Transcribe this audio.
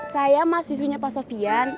saya mahasiswunya pak sopian